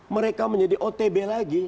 mereka menjadi otb lagi